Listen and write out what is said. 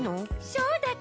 そうだった！